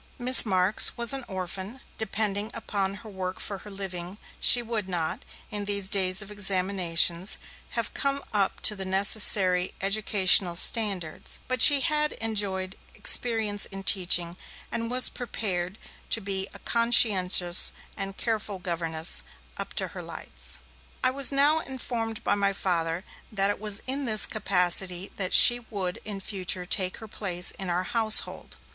Miss Marks was an orphan, depending upon her work for her living; she would not, in these days of examinations, have come up to the necessary educational standards, but she had enjoyed experience in teaching, and was prepared to be a conscientious and careful governess, up to her lights. I was now informed by my Father that it was in this capacity that she would in future take her place in our household.